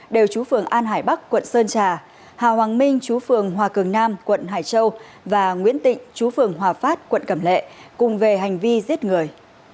đều chú phường an hải bắc quận sơn trà hà hoàng minh chú phường hòa cường nam quận hải châu và nguyễn tịnh chú phường hòa phát quận cẩm lệ cùng về hành vi giết người